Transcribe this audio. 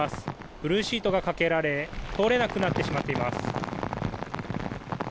ブルーシートがかけられ通れなくなってしまっています。